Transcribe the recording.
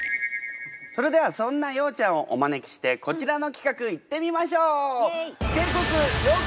それではそんなようちゃんをお招きしてこちらの企画いってみましょう！